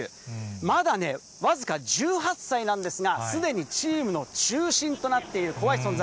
まだね、僅か１８歳なんですが、すでにチームの中心となっている怖い存在。